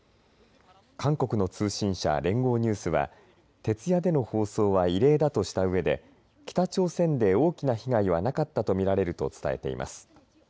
韓国の通信社、連合ニュースは徹夜での放送は異例だとしたうえで北朝鮮で大きな被害はなかったと見られると伝えています。